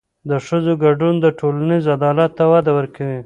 د ښځو ګډون ټولنیز عدالت ته وده ورکوي.